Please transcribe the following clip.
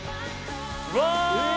うわ！